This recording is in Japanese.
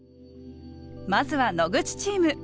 まずは野口チーム。